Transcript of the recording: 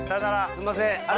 すんません。